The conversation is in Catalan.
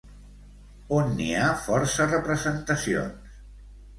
On n'hi ha força representacions?